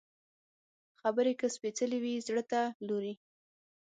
خبرې که سپېڅلې وي، زړه ته لوري